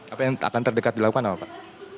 apa yang akan terdekat dilakukan apa pak